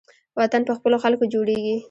وطن په خپلو خلکو جوړیږي